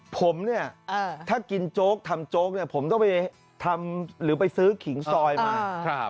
ผมเนี่ยถ้ากินโจ๊กทำโจ๊กเนี่ยผมต้องไปทำหรือไปซื้อขิงซอยมา